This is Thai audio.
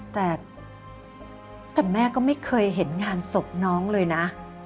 แต่แม่ก็ไม่เคยเห็นงานศพน้องเลยนะ